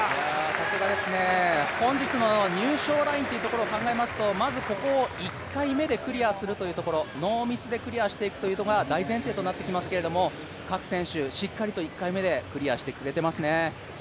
さすがですね、本日の入賞ラインを考えますとまずここを１回目でクリアするところノーミスでクリアしていくことが大前提となっていきますけれども、各選手、しっかりと１回目でクリアしてくれていますね。